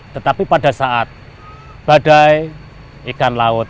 tetapi pada saat badai ikan laut